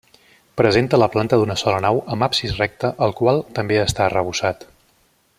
Presenta la planta d'una sola nau amb absis recte el qual també està arrebossat.